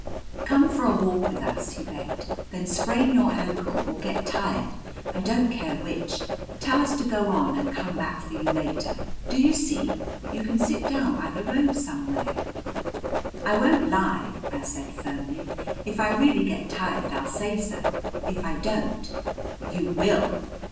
"Come for a walk with us," he begged. "Then sprain your ankle or get tired, I don't care which. Tell us to go on and come back for you later. Do you see? You can sit down by the road somewhere." "I won't lie," I said firmly. "If I really get tired I'll say so. If I don't " "You will."